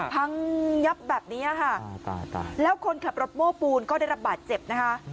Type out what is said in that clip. พังยับแบบนี้ค่ะแล้วคนขับรถโม้ปูนก็ได้รับบาดเจ็บนะคะ